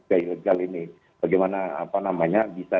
terima kasih kamu menonton ya